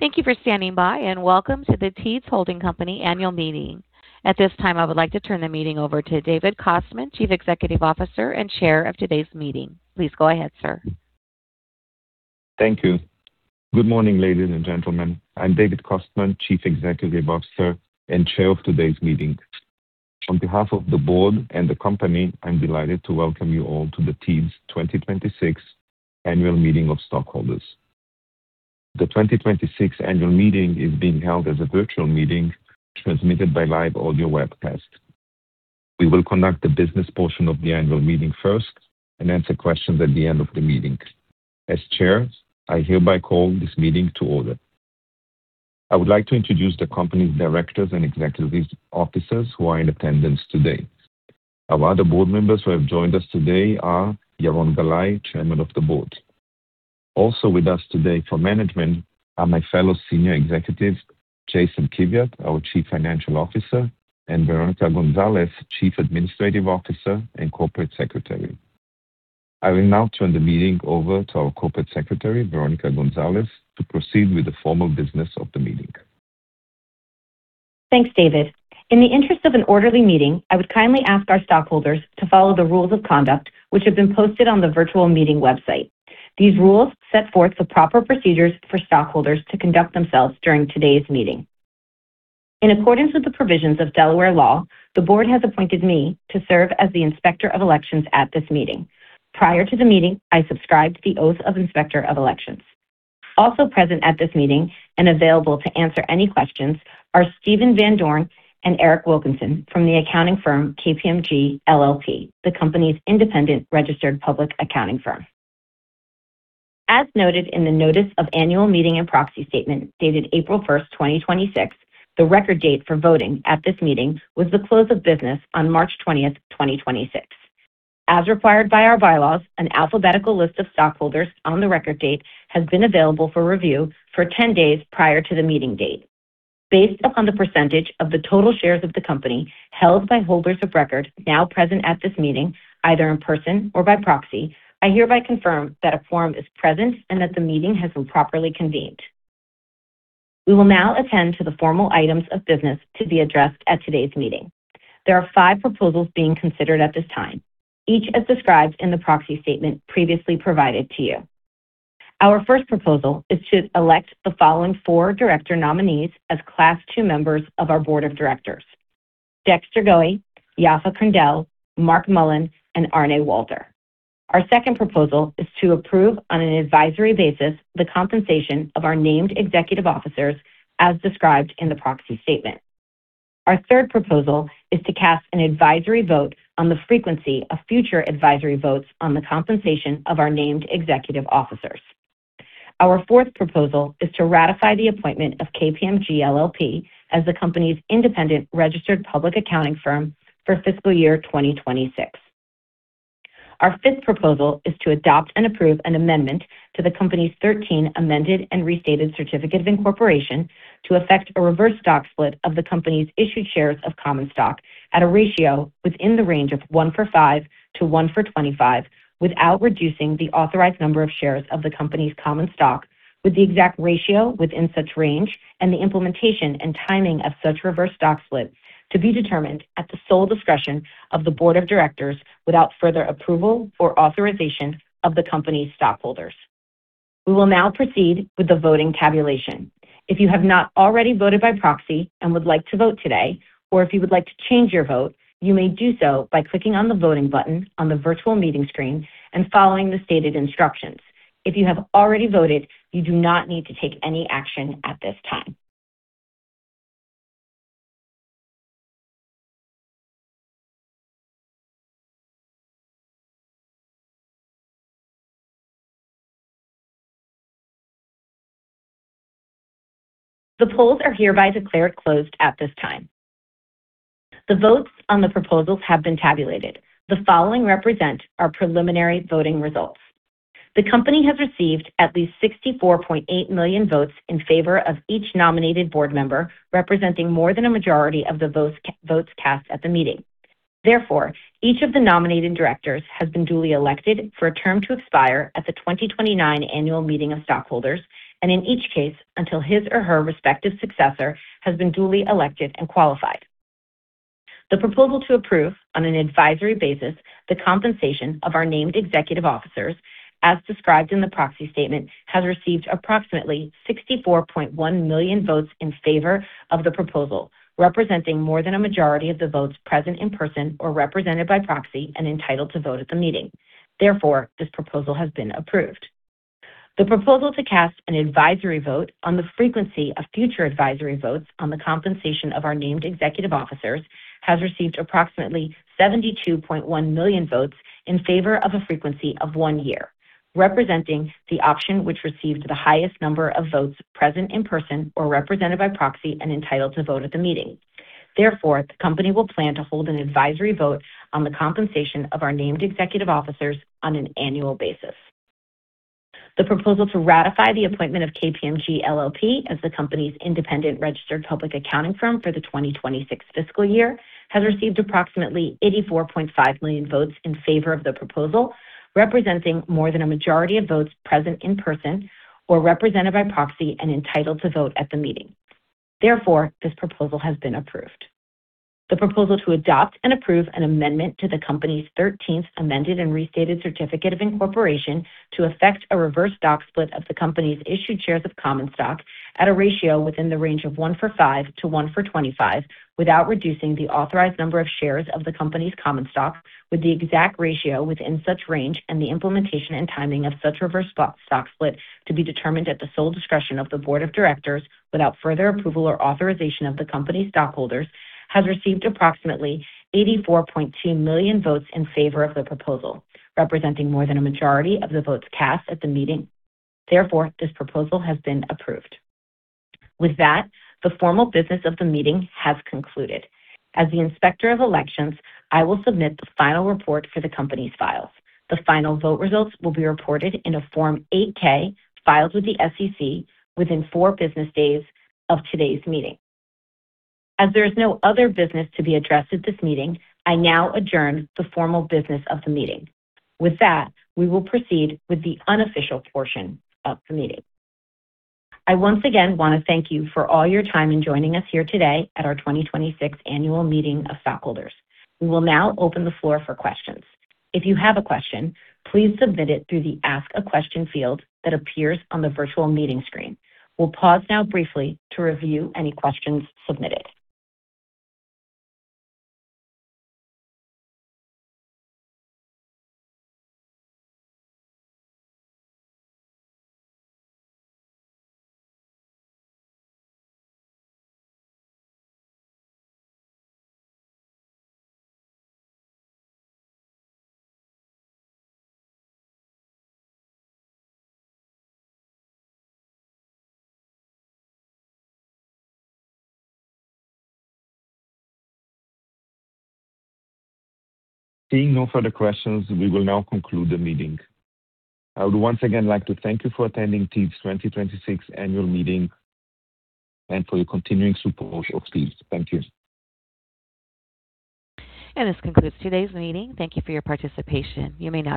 Thank you for standing by and welcome to the Teads Holding Co. annual meeting. At this time, I would like to turn the meeting over to David Kostman, Chief Executive Officer and Chair of today's meeting. Please go ahead, sir. Thank you. Good morning, ladies and gentlemen. I'm David Kostman, Chief Executive Officer and Chair of today's meeting. On behalf of the Board and the Company, I'm delighted to welcome you all to the Teads 2026 Annual Meeting of Stockholders. The 2026 annual meeting is being held as a virtual meeting transmitted by live audio webcast. We will conduct the business portion of the annual meeting first and answer questions at the end of the meeting. As chair, I hereby call this meeting to order. I would like to introduce the Company's directors and executive officers who are in attendance today. Our other Board members who have joined us today are Yaron Galai, Chairman of the Board. Also with us today for management are my fellow senior executive, Jason Kiviat, our Chief Financial Officer, and Veronica Gonzalez, Chief Administrative Officer and Corporate Secretary. I will now turn the meeting over to our Corporate Secretary, Veronica Gonzalez, to proceed with the formal business of the meeting. Thanks, David. In the interest of an orderly meeting, I would kindly ask our stockholders to follow the rules of conduct, which have been posted on the virtual meeting website. These rules set forth the proper procedures for stockholders to conduct themselves during today's meeting. In accordance with the provisions of Delaware law, the Board has appointed me to serve as the Inspector of Elections at this meeting. Prior to the meeting, I subscribed the Oath of Inspector of Elections. Also present at this meeting and available to answer any questions are Steven Van Dorn and Eric Wilkinson from the accounting firm KPMG LLP, the company's independent registered public accounting firm. As noted in the Notice of Annual Meeting and Proxy Statement dated April 1, 2026, the record date for voting at this meeting was the close of business on March 20, 2026. As required by our bylaws, an alphabetical list of stockholders on the record date has been available for review for 10 days prior to the meeting date. Based upon the percentage of the total shares of the company held by holders of record now present at this meeting, either in person or by proxy, I hereby confirm that a quorum is present and that the meeting has been properly convened. We will now attend to the formal items of business to be addressed at today's meeting. There are five proposals being considered at this time, each as described in the proxy statement previously provided to you. Our first proposal is to elect the following four director nominees as Class 2 members of our board of directors, Dexter Goei, Yaffa Krindel, Mark Mullen, and Arne Wolter. Our second proposal is to approve on an advisory basis the compensation of our named executive officers as described in the proxy statement. Our third proposal is to cast an advisory vote on the frequency of future advisory votes on the compensation of our named executive officers. Our fourth proposal is to ratify the appointment of KPMG LLP as the company's independent registered public accounting firm for fiscal year 2026. Our fifth proposal is to adopt and approve an amendment to the company's 13th amended and restated certificate of incorporation to affect a reverse stock split of the company's issued shares of common stock at a ratio within the range of 1:5-1:25 without reducing the authorized number of shares of the company's common stock with the exact ratio within such range and the implementation and timing of such reverse stock split to be determined at the sole discretion of the Board of Directors without further approval or authorization of the company's stockholders. We will now proceed with the voting tabulation. If you have not already voted by proxy and would like to vote today, or if you would like to change your vote, you may do so by clicking on the voting button on the virtual meeting screen and following the stated instructions. If you have already voted, you do not need to take any action at this time. The polls are hereby declared closed at this time. The votes on the proposals have been tabulated. The following represent our preliminary voting results. The company has received at least 64.8 million votes in favor of each nominated board member, representing more than a majority of the votes cast at the meeting. Each of the nominated directors has been duly elected for a term to expire at the 2029 Annual Meeting of Stockholders and in each case until his or her respective successor has been duly elected and qualified. The proposal to approve on an advisory basis the compensation of our named executive officers as described in the proxy statement, has received approximately 64.1 million votes in favor of the proposal, representing more than a majority of the votes present in person or represented by proxy and entitled to vote at the meeting. Therefore, this proposal has been approved. The proposal to cast an advisory vote on the frequency of future advisory votes on the compensation of our named executive officers has received approximately 72.1 million votes in favor of a frequency of one year, representing the option which received the highest number of votes present in person or represented by proxy and entitled to vote at the meeting. Therefore, the company will plan to hold an advisory vote on the compensation of our named executive officers on an annual basis. The proposal to ratify the appointment of KPMG LLP as the company's independent registered public accounting firm for the 2026 fiscal year has received approximately 84.5 million votes in favor of the proposal, representing more than a majority of votes present in person or represented by proxy and entitled to vote at the meeting. Therefore, this proposal has been approved. The proposal to adopt and approve an amendment to the company's 13th amended and restated certificate of incorporation to affect a reverse stock split of the company's issued shares of common stock at a ratio within the range of 1:5-1:25 without reducing the authorized number of shares of the company's common stock with the exact ratio within such range and the implementation and timing of such reverse stock split to be determined at the sole discretion of the Board of Directors without further approval or authorization of the company stockholders, has received approximately 84.2 million votes in favor of the proposal, representing more than a majority of the votes cast at the meeting. Therefore, this proposal has been approved. With that, the formal business of the meeting has concluded. As the Inspector of Elections, I will submit the final report for the company's files. The final vote results will be reported in a Form 8-K filed with the SEC within four business days of today's meeting. As there is no other business to be addressed at this meeting, I now adjourn the formal business of the meeting. With that, we will proceed with the unofficial portion of the meeting. I once again wanna thank you for all your time in joining us here today at our 2026 annual meeting of stockholders. We will now open the floor for questions. If you have a question, please submit it through the ask a question field that appears on the virtual meeting screen. We'll pause now briefly to review any questions submitted. Seeing no further questions, we will now conclude the meeting. I would once again like to thank you for attending Teads 2026 annual meeting and for your continuing support of Teads. Thank you. This concludes today's meeting. Thank you for your participation. You may now disconnect.